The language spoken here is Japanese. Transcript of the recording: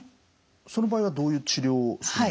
その場合はどういう治療をするんですか？